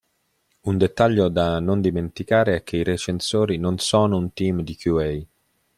Un dettaglio da non dimenticare è che i recensori non sono un team di QA.